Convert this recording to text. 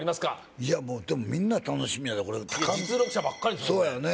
いやもうでもみんな楽しみやでこれ実力者ばっかりですのでそうやよね